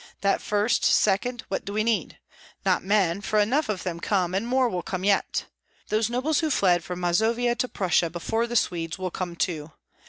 That first, second, what do we need? Not men, for enough of them come, and more will come yet. Those nobles who fled from Mazovia to Prussia before the Swedes, will come too.